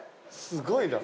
すごいな。